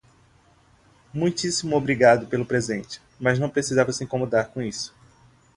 Muitíssimo obrigado pelo presente, mas não precisava se incomodar com isso.